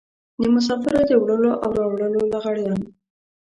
د مسافرو د وړلو او راوړلو لغړيان.